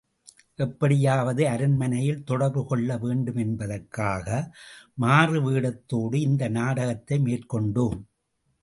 எப்படியாவது அரண்மனையில் தொடர்பு கொள்ள வேண்டுமென்பதற்காக மாறுவேடத்தோடு இந்த நாடகத்தை மேற்கொண்டோம்.